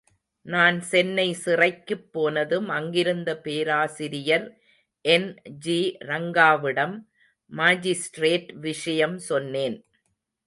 நான் சென்னை சிறைக்குப் போனதும் அங்கிருந்த பேராசிரியர் என்.ஜி.ரங்காவிடம் மாஜிஸ்ட்ரேட் விஷயம் சொன்னேன்.